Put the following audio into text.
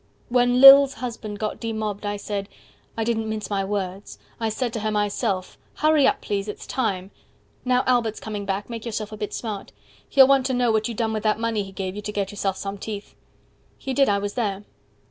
When Lil's husband got demobbed, I said, I didn't mince my words, I said to her myself, 140 HURRY UP PLEASE ITS TIME Now Albert's coming back, make yourself a bit smart. He'll want to know what you done with that money he gave you To get yourself some teeth. He did, I was there.